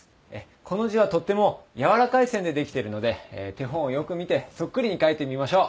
この字はとってもやわらかい線でできてるので手本をよく見てそっくりに書いてみましょう。